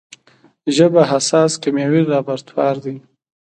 ژبه حساس کیمیاوي لابراتوار دی.